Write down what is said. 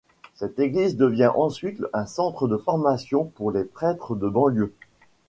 Cette église devient ensuite un centre de formation pour les prêtres de banlieue.